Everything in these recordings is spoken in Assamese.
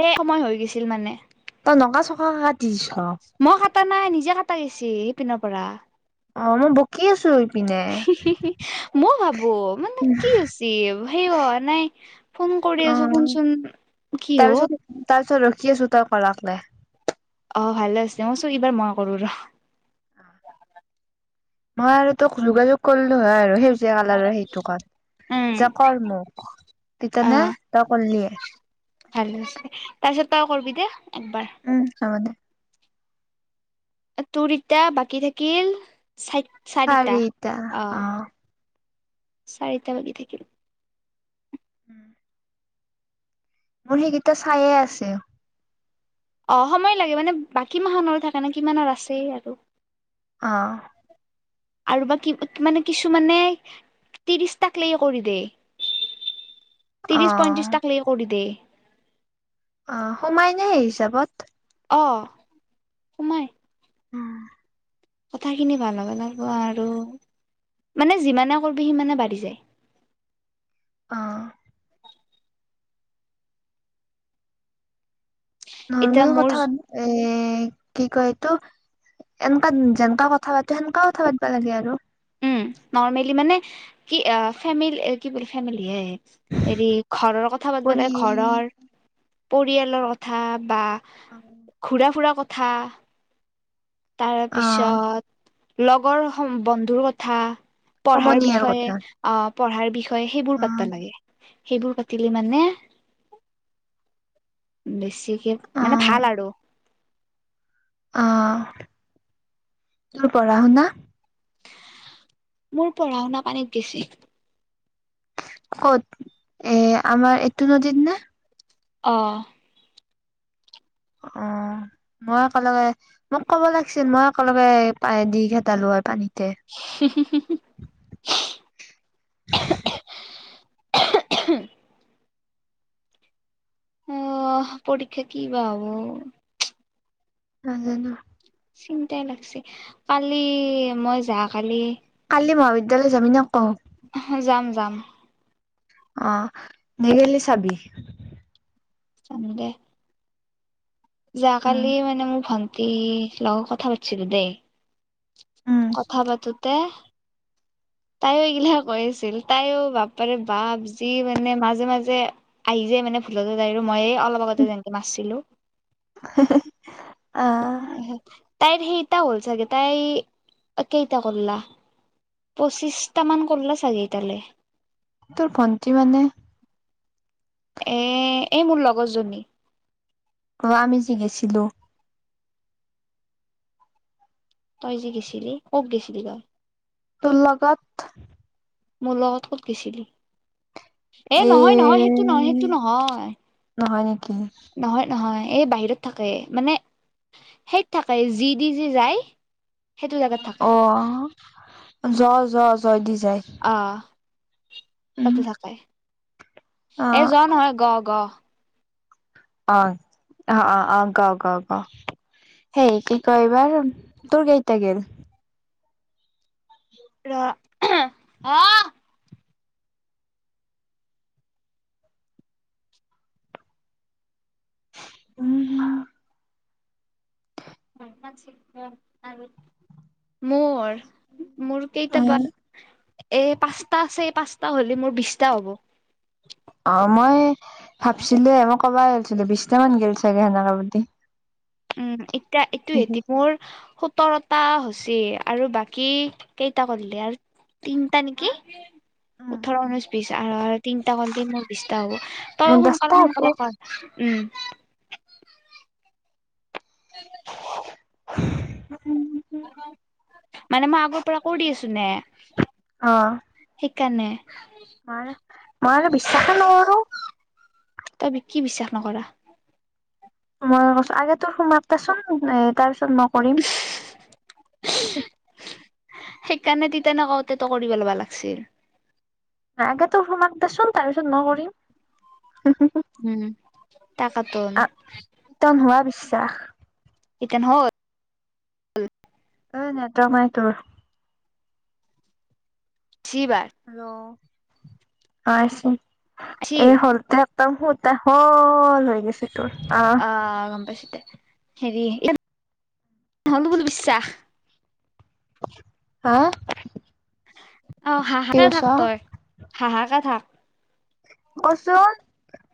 এ, সময় হৈ গৈছে। [unintelligible] ছিল মানে অ'! নকা চকা হাত। [unintelligible] কটা নাই। নিজে কটা গৈছে সেই পিনৰ পৰা। অ' মই বকি আছোঁ ইপিনে। ব' মানে, কি হৈ হৈছে, সেই হোৱা নাই। ফোন কৰি অ আছোঁ শুনচোন কি হ' খি আছোঁ। [unintelligible] অ'! ভালে আছে। মই চো এইবাৰ মই কৰো ৰ'। মই আৰু তোক যোগাযোগ কৰিলোঁ হয় আৰু সেই সেউজীয়া কালাৰৰ সেইটোকাত। উম যে, ক'ৰ মোক। অ তেতিয়ানে, তই ক'ৰলিয়ে। ভালে আছে তাৰপিছত তই কৰবি দে। একবাৰ উম, হ'ব দে। তোৰ এতিয়া বাকী থাকিল চাৰিটা অ'! চাৰিটা বাকী থাকিল। উম! মোৰ সেইকেইটা চাইয়ে আছে। অ' সময় লাগে। মানে, বাকী মাহৰো থকা নে কিমানত আছেই আৰু অ'! আৰু বাকী মানে, কিছুমানে ত্ৰিশটাক লৈ কৰি দেই। অ ত্ৰিছ, পঁয়তিশ টাক লেকে কৰি দিয়ে। অ সোমাইনে সেই হিচাপত অ সোমাই উম কথাখিনি ভাল হ'ব লাগব আৰু মানে যিমানে কৰিবি সিমানে বাঢ়ি যায়। অহ এতিয়া নৰ্মেল মোৰ কথা এ এ কি কয় এইটো এনেকা যেনেকা কথা পাতো সেনেকাও কথা পাতিবা লাগে আৰু উ নৰ্মেলি মানে কি অ ফেমেল কি বুলি ফেমিলি এ হেৰি ঘৰৰ কথা পতিব কৰি লাগে ঘৰৰ পৰিয়ালৰ কথা বা অ ঘুৰা ফুৰা কথা থা তাৰ অ', পিছত লগৰ বন্ধুৰ কথা পঢ়াৰ সমনীয়াৰ বিষয়ে কথা অ পঢ়াৰ বিষয় সেইবোৰ পাতবা অ', লাগে সেইবোৰ পাতিলি মানে বেছি কে মানে অ', ভাল আৰু অ তোৰ পঢ়া শুনা মোৰ পঢ়া শুনা পানীত গেছে। ক'ত এ আমাৰ এইটো নদীত নে? অঁ অ মই একেলগে মোক কব লাগিছিল মই একেলগে দি ঘেতালো হয় পানীত। হু হু হু হু [inaudible] অহ পৰীক্ষা কি বা হ'ব! লাগে ন চিন্তাই লাগছে কালি মই যোৱা কালি কালি মহাবিদ্যালয় যাবি ন হে যাম যাম অ নিগেলি চাবি চামে দে যোৱা উম, কালি মানে মোৰ ভান- ন্টি লগত কথা পাতিছিলো দেই উম, কথা পাতোতে তাইও এইগিলা কৈ আছিল তাইও বাপাৰে বাপ যি মানে মাজে মাজে আহি যায় মানে ভুলতো যায় আৰু মইে অলপ আগতে যেনেকে মাৰছিলো হে হে উ তাইৰ সেইটা হ'ল চাগে তাই কেইটা কৰলা পঁচিছ টামান কৰলা চাগে এটালৈ তোৰ ভণ্টি মানে এ এ মোৰ লগৰজনী অ আমি যি গৈছিলো তই যে গৈছিলি কত গেছিলি বা তুৰ লগত মোৰ লগত কত গৈছিলি এ নহয় নহয় সেইটো নহয় সেইটো নহয় নহয় নেকি নহয় নহয় এই বাহিৰত থাকে মানে সেইত থাকে যি দি যি যায় সেইটো জাগাত থাকে অ', জ জ জয় দিছ আহ উম, তাতে থাকে এ জ অ', নহয় গ গ অ অ অ অ গ অ গ গ সেই কি কই বা তোৰ কেইটা গল অহ উম হম মোৰ মোৰ কেইটা বা এই পাঁচটা আছে এই পাঁচটা হ'লে মোৰ বিশটা হ'ব ভাবছিলোৱে মই কব গছিলো বিশটামান গ'ল চাগে সেনেকা বুলি উম এতি এইটো সেতি মোৰ স সোতৰটা হৈছে আৰু বাকী কেইটা কৰিলে আৰু তিনটা নেকি ওঠৰ ঊনৈশ বিশ আৰু তিনিটা কৰলেই মোৰ বিশটা হব মোৰ তইও দছটা সোনকালে হব সোনকালে কৰ উম উ মানে মই আগৰ পৰা কৰি আছো নে অ সেইকাৰণে মই মই আৰু বিশ্বাসে নকৰো তই কি বিশ্বাস নকৰা সময় কছ আগে তোৰ সময় হওক দেচোন এ তাৰ পিছত জন্ম কৰিম সেইকাৰণে তিয়া নকওঁতে তো কৰি পেলাব লাগছিল আগে তো সমাক দেছন তাছত মই কৰিম উম, তাকাতোন। চাহ এইেই কাৰন হ [unintelligible] ঐ নেতৰক নাই তুৰ। আইছি এইবাৰ ৰ [unintelligible] অ, আছো। আইছি এই হ'লতে সূতা, শল হৈ গৈছে। তোৰ আহ অঁ, গম পায়ছো দে'। হেৰি নহ'লো বুলি বিশ্বাস। হা? উ [inaudible] অঁ কি হাহাকে থাক কৈছা? তই, হাহাকে থাক। কচোন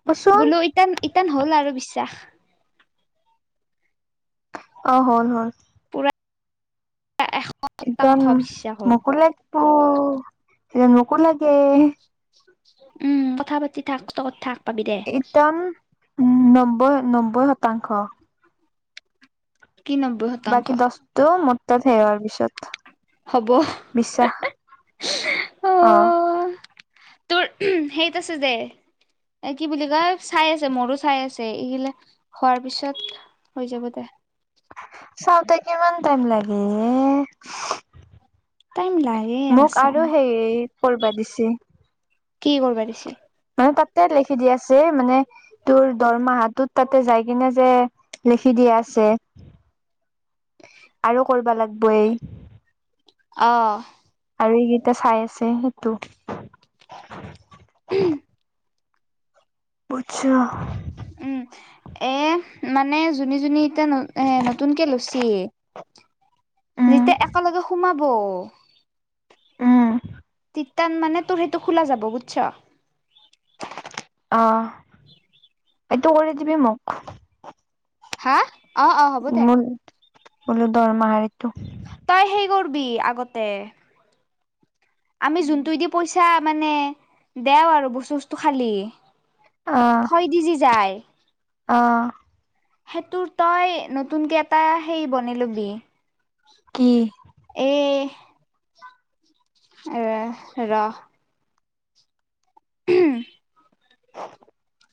কচোন বোলো ইটান, ইটান হ'ল আৰু, বিশ চাহ [unintelligible] অঁ হল-হল। পুৰা এান শতাংশ [unintelligible] বিশ্বাস হ'ল মকললে পো স নোকো লাগে [unintelligible] হে উম কথা পাতি থাক, চত থাক পাবি দে ইতান, নম ্ব [unintelligible] নব্বৈ শতাংশ। কি নব্বৈ শতাংশ বাকি দহটো, ম তাত সোয়াৰ পিছত হ'ব বিশ্বাস, অঁ। অ তোৰ সেইত আছে যে, এ' কি বুলি কয়, চাই আছে, মোৰো চাই আছে, এইগিলা হোৱাৰ পিছত, হৈ যাব দে। চাওঁতে কিমান টাইম লাগে? টাইম লাগে মোক বাচ্ছা আৰু, সে কৰিবা দিছে। কি কৰিববা দিছি? তাতে লিখি দি আছে, মানে তোৰ দৰমাহাতত তাতে যাই কিনে যে, লিখি দিয়া আছে, আৰু কৰিবা লাগিব এই। অঁ। আৰু এইকেইটা চাই আছে, সেইটো। পুছা! উম এ মানে যোনি যোনি এটা এ নতুনকে লৈচি। উম যেতিয়া একেলগে সোমা হবৌ উম। টান মানে তোৰ সেইটো খোলা যাব বুছ। আহ। এইটো কৰি দিবি মোক? হা অ', অ', হ'ব দে। মোৰ বোলো দৰমাহাৰটো। তই সেই কৰবি আগতে আমি উম যোনটো দি পইচা মানে দেও আৰু বস্তু বস্তু খালী। ভয় দি যি যায়। অ। সেইটোৰ তই নতুনকে এটা হেই বনি লবি। কি এ এ ৰস। [unintelligible] [inaudible]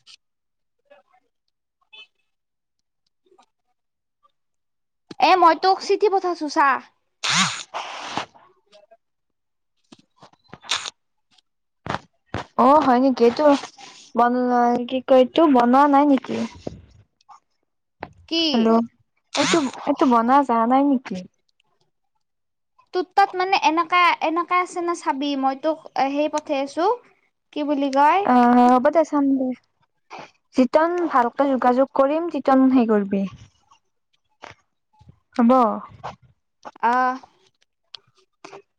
এ মই তোক চিঠি পঠাইছো চা। অ', হয় নেকি এইটো বন কি কয়টো বনোৱা নাই নেকি? কি হেল্ল, এইটো এইটো বনা জানাই নাই নেকি? তোৰত তাত মানে এনেকা এনেকা আছে নে চাবি মই তোক সেই পঠাই আছো কি বুলি কয় অ', হ'ব দে চাম দে। যিতন ভালকতে যোগাযোগ কৰিম তিতন হে কৰিবি। হব? অহ।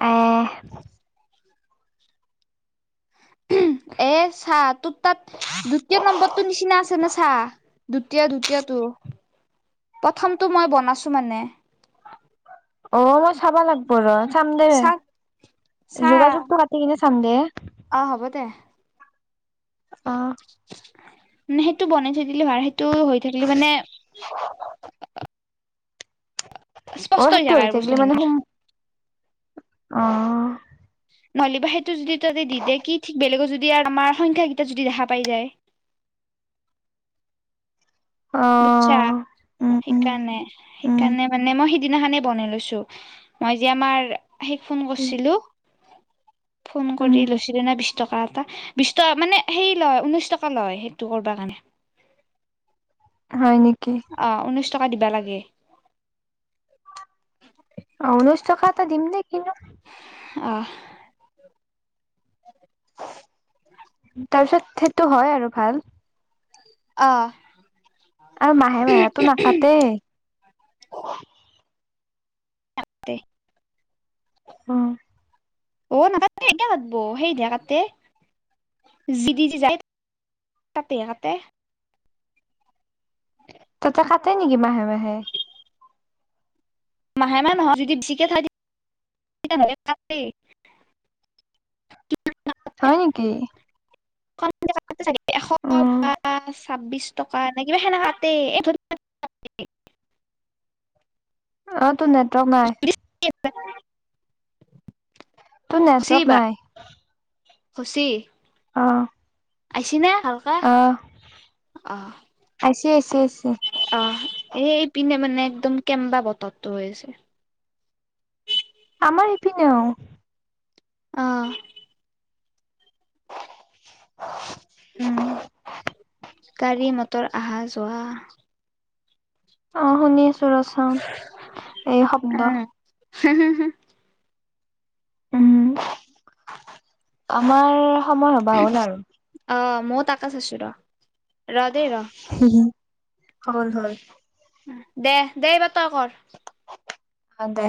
আহ। এ চাহ তোৰ তাত দ্বিতীয় নম্বৰটোৰ নিচিনা আছে নে চাহ। দুিতীয়া দুিতীয়টো, প্ৰথমটো মই বনাইছো মানে। অ', মই চাবা লাগিব ৰ। চাম দে, চা যোগাযোগটো কাটি কিনে ছন্দে আহ হ'ব দে। অ। মানে সেইটো বনাই থৈ দিলি ভা সেই টো হৈ থাকিলি মানে [inaudible] অ, স্পষ্ট সেইটো থাকে হৈ আৰু থাকিলে বস্তুখিনি মানে হুম অঅ। নলি বা হেত যদি তাতে দি দিয়ে কি ঠিক বেলেগৰ যদি আৰু আমাৰ সংখ্যা কেইটা যদি দেখা পাই যায়? অ বুটছা? উম উম সেইকাৰণে, সেইকাৰণে মানে মই সি দিনাখনে বনাই লৈছো। মই যে আমাৰ আহি ফোন উম কৰছিলো ফোন উম কৰি লচিৰনা বিছ বিশ টকা এটা। বিশ টকা মানে হেৰি লয় উনৈশ টকা লয় সেইটো কৰবা কাৰণে। হয় নেক অ, উনৈছ টকা দিবা লাগে। অ উনৈছ টকা এটা দিম দে, কিনো অ তাৰ পিছত হেইটো হয় আৰু ভাল। অ আৰু মাহে মাহেটো নাকাটেই। আতে। উম। অ নাজ সেইতিয়া কাটব সেইহে কাটে যি দি যি যায়, তাতেহে কাটে। ততে কাটে নেকি মাহে-মাহে? মাহে-মাহে নহয়। যদি বেছিকে [unintelligible] তেতিয়া হলি কাটেই। [unintelligible] হয় নেকি? [unintelligible] এশ অ বা ছাব্বিছ টকা নে কিবা সেনে কাটেই। এই [unintelligible] অ, তো নেটৱৰ্ক নাই। [unintelligible] তোৰ খুচি নেটৱৰ্ক বা নাই। খুচি। অ। আইছি না? ভালকা, অ অ। ইছ, ইছ। অ। এইপিনে মানে একদম কেম্বা বতৰটো হৈ আছে। আমাৰ সেইপিনেও আহ উম গাড়ী মটৰ আহা যোৱা অ শুনি আছো ৰ চাওঁ এই শব্দ হুম হুম হুম উম আমাৰ সময় হ'বা হ'ল আৰু মোৰ তাকে চাইছোঁ ৰ ৰ দেই ৰ হয় হয় দে দেব তই কৰ অঁ দে